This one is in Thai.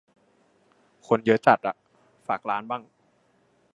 คนเยอะจัด อ่ะ "ฝากร้าน" บ้าง